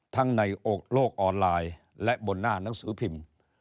ในโลกออนไลน์และบนหน้าหนังสือพิมพ์